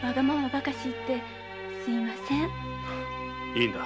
いいんだ。